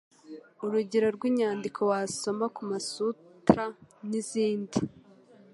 Urugero rw'inyandiko wasoma: Kamasutra, n'izindi.